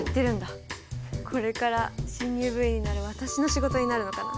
これから新入部員になる私の仕事になるのかな。